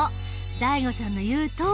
ＤＡＩＧＯさんの言うとおり。